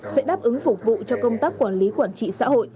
sẽ đáp ứng phục vụ cho công tác quản lý quản trị xã hội